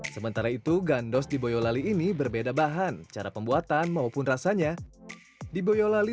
sementara itu gandos di boyolali ini berbeda bahan cara pembuatan maupun rasanya di boyolali